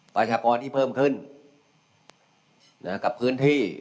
ประชากรที่เพิ่มขึ้น